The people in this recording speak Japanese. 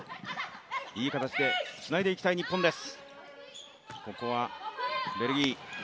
いい形でつないでいきたい日本です。